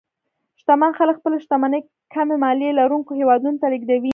شتمن خلک خپلې شتمنۍ کمې مالیې لرونکو هېوادونو ته لېږدوي.